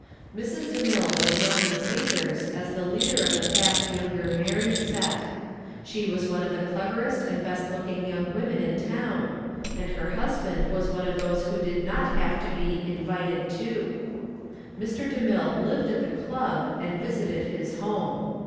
Mrs. DeMille was known in the papers as the leader of the fast younger married set. She was one of the cleverest and best looking young women in town, and her husband was of those who did not have to be "invited too." Mr. DeMille lived at the club and visited his home.